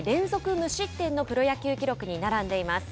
無失点のプロ野球記録に並んでいます。